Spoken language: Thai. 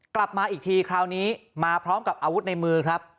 กลับมาอีกทีคราวนี้มาพร้อมกับอาวุธในมือครับ